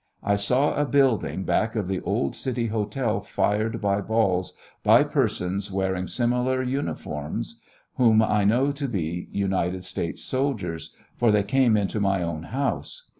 I saw a building back of the old City Hotel fired by balls by persons wearing similar uniforms, whom I know to be United States soldiers, for they came into my own house.